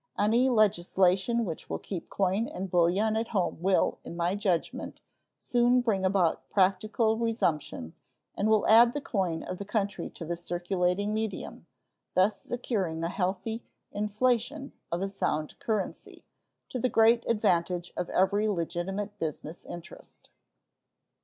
Any legislation which will keep coin and bullion at home will, in my judgment, soon bring about practical resumption, and will add the coin of the country to the circulating medium, thus securing a healthy "inflation" of a sound currency, to the great advantage of every legitimate business interest.